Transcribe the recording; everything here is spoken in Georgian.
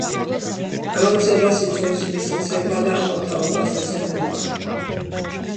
გაოცებას იწვევს მისი ცეკვა და ახალ თაობაზე ზრუნვა.